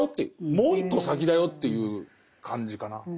もう一個先だよという感じかな。